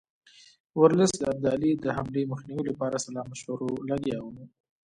ورلسټ د ابدالي د حملې مخنیوي لپاره سلا مشورو لګیا وو.